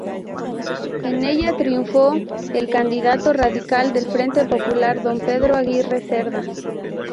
En ella triunfó el candidato radical del Frente Popular, don Pedro Aguirre Cerda.